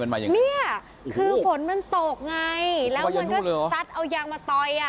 นี้คือฝนมันตกไงลงมันก็ชัดเอายางมาตอย